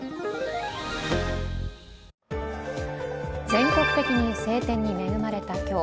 全国的に晴天に恵まれた今日。